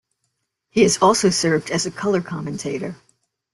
He has also served as a color commentator.